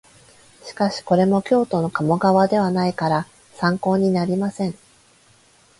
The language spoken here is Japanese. しかしこれも京都の鴨川ではないから参考になりません